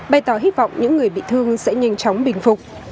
bày tỏ hy vọng những người bị thương sẽ nhanh chóng bình phục